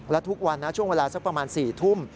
และทุกวันนะช่วงเวลาสักประมาณ๔ทุ่ม